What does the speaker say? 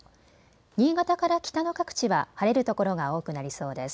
新潟から北の各地は晴れるところが多くなりそうです。